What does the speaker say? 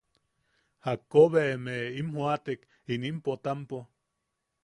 –¿Jakko be emeʼe im joʼatek inim Potampo?